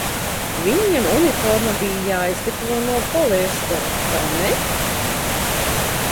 Viņiem uniforma bija jāizgatavo no poliestera, vai ne?